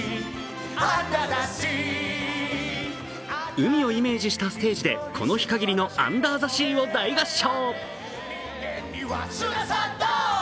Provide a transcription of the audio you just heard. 海をイメージしたステージでこの日限りの「アンダー・ザ・シー」を大合唱。